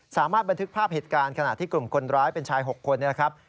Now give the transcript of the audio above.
สามารถบันทึกภาพเหตุการณ์ขณะที่กลุ่มคนร้ายเป็นชาย๖คนนะครับ